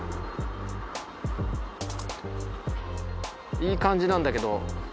いい感じなんだけど。